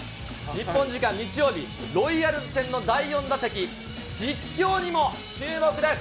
日本時間日曜日、ロイヤルズ戦の第４打席、実況にも注目です。